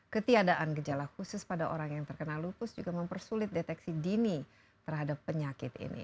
ketiadaan gejala khusus pada orang yang terkena lupus juga mempersulit deteksi dini terhadap penyakit ini